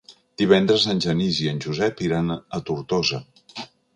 Divendres en Genís i en Josep iran a Tortosa.